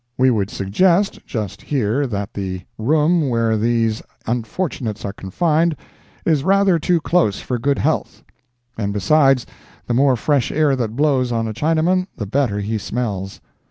We would suggest, just here that the room where these unfortunates are confined is rather too close for good health—and besides, the more fresh air that blows on a Chinaman, the better he smells.